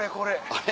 あれ？